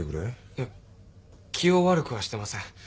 いや気を悪くはしてません。